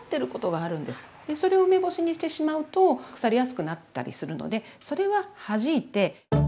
それを梅干しにしてしまうと腐りやすくなったりするのでそれははじいて。